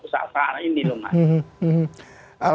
kesakaran ini loh mas